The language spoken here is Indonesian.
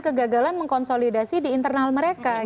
kegagalan mengkonsolidasi di internal mereka